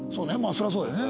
そりゃそうだよね。